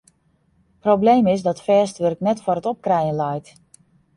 Probleem is dat fêst wurk net foar it opkrijen leit.